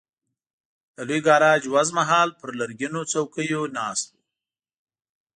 د لوی ګاراج وزمه هال پر لرګینو څوکیو ناست وو.